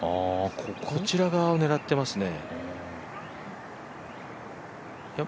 こちら側を狙ってますね。